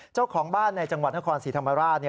เจ้าของบ้านในจังหวัดนครศรีธรรมราช